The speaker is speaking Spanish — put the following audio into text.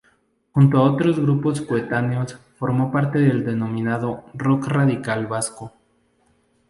Junto a otros grupos coetáneos formó parte del denominado rock radical vasco.